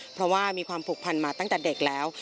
เพราะว่ามีความผูกพันมาตั้งแต่เด็กแล้ว